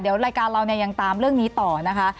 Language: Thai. เดี๋ยวรายการเราเนี่ยยังตามเรื่องนี้ต่อนะคะ